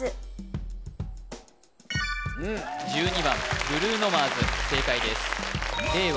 １２番ブルーノ・マーズ正解です令和